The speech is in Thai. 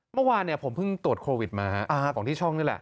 เมื่อวานผมเพิ่งตรวจโควิดมาของที่ช่องนี่แหละ